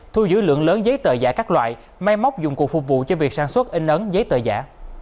thu giữ lượng lớn giấy tờ giả các loại máy móc dụng cụ phục vụ cho việc sản xuất in ấn giấy tờ giả